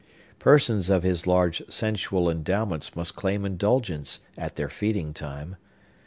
Persons of his large sensual endowments must claim indulgence, at their feeding time.